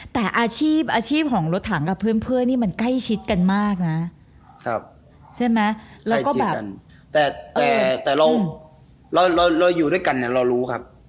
แต่อาชีพของรถถังกับเพื่อนมันใกล้ชิดกันมากนะใช่มั้ยใกล้ชิดกันแต่เราอยู่ด้วยกันเรารู้ครับ